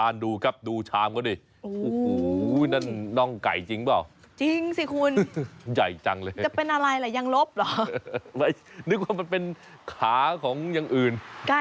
นึกว่ามันเป็นขาของอย่างอื่น